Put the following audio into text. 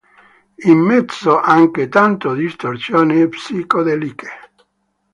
In mezzo anche tante distorsioni psichedeliche.